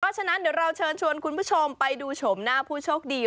ฉะนั้นเดี๋ยวเราเชิญชวนคุณผู้ชมไปดูโฉมหน้าผู้โชคดี